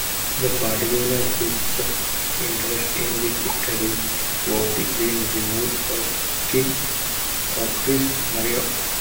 The particular species of interest in this study was the Green-winged Orchid "Orchis morio".